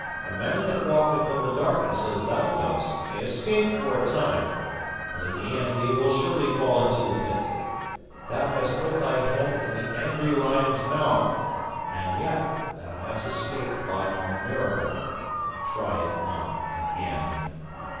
A man that walketh in the darkness as thou dost may escape for a time, but in the end he will surely fall into the pit. Thou hast put thy head in the angry lion's mouth, and yet thou hast escaped by a miracle. Try it not again."